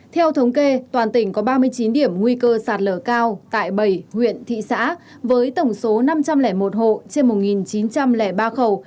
theo thống kê toàn tỉnh có ba mươi chín điểm nguy cơ sạt lở cao tại bảy huyện thị xã với tổng số năm trăm linh một hộ trên một chín trăm linh ba khẩu